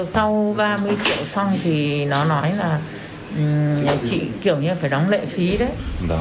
sau ba mươi triệu xong thì nó nói là nhà chị kiểu như là phải đóng lệ phí đấy